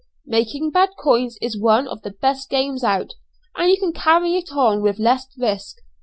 Making bad coins is one of the best games out, and you can carry it on with less risk.